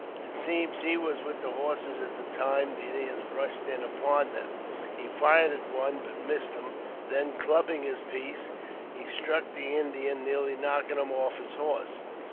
It seems he was with the horses at the time the Indians rushed in upon them ; he fired at one, but missed him ; then clubbing his piece, he struck the Indian, nearly knocking him off his horse.